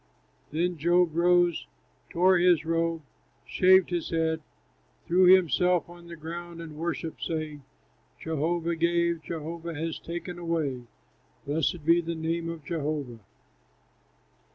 Then Job rose, tore his robe, shaved his head, threw himself on the ground and worshipped, saying: "Jehovah gave, Jehovah has taken away; Blessed be the name of Jehovah!"